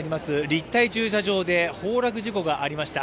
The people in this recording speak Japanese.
立体駐車場で崩落事故がありました。